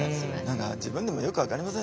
何か自分でもよく分かりませんね。